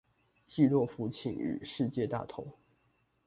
濟弱扶傾與世界大同